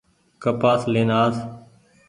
ڪپآس لين آس۔